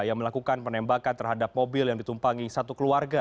yang melakukan penembakan terhadap mobil yang ditumpangi satu keluarga